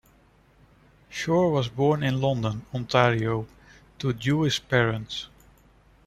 Shore was born in London, Ontario, to Jewish parents.